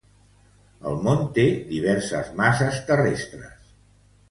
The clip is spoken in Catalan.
El món té diverses masses terrestres.